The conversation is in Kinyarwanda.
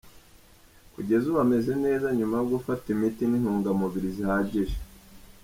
Kugeza ubu ameze neza nyuma yo gufata imiti n’intungamubiri zihagije.